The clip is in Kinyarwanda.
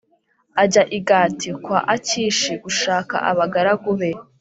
ajya i Gati kwa Akishi gushaka abagaragu be.